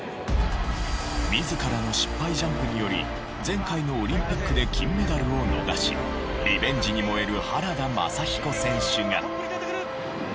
自らの失敗ジャンプにより前回のオリンピックで金メダルを逃しリベンジに燃える原田雅彦選手が。